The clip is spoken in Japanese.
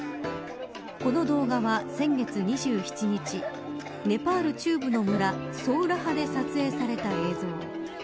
この動画は先月２７日ネパール中部の村ソウラハで撮影された映像。